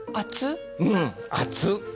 うん「熱っ」。